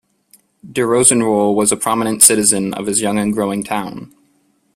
De Rosenroll was a prominent citizen of his young and growing town.